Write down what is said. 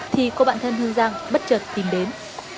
thì cô bạn thân hương giang bất chợt tìm đến